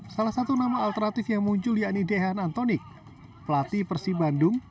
salah satu nama alternatif yang muncul yakni dejan antenik pelatih persib bandung